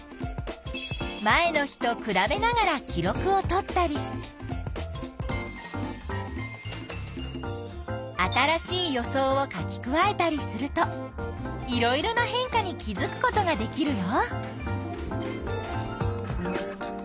前の日とくらべながら記録をとったり新しい予想を書き加えたりするといろいろな変化に気づくことができるよ。